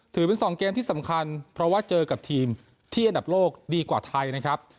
ถือเป็นสองเกมที่สำคัญเพราะว่าเจอกับทีมที่อันดับโลกดีกว่าไทยนะครับ